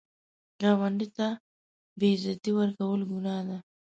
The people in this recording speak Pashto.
ګاونډي ته بې عزتي ورکول ګناه ده